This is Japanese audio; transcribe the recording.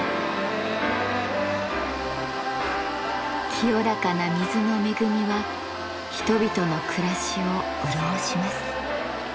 清らかな水の恵みは人々の暮らしを潤します。